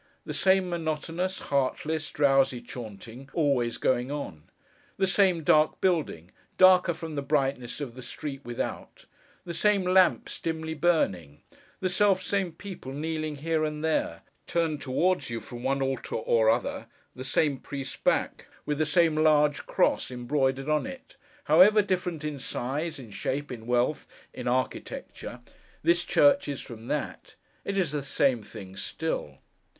The same monotonous, heartless, drowsy chaunting, always going on; the same dark building, darker from the brightness of the street without; the same lamps dimly burning; the selfsame people kneeling here and there; turned towards you, from one altar or other, the same priest's back, with the same large cross embroidered on it; however different in size, in shape, in wealth, in architecture, this church is from that, it is the same thing still.